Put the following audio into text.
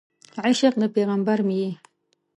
عشق د پیغمبر مې یې